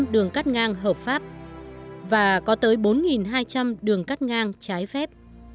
một bốn trăm linh đường cắt ngang hợp pháp và có tới bốn hai trăm linh đường cắt ngang trái phép